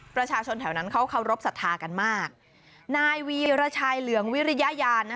ประชาชนแถวนั้นเขาเคารพสัทธากันมากนายวีรชัยเหลืองวิริยาน